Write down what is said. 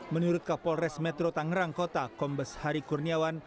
menurut kapolres metro tangerang kota kombes hari kurniawan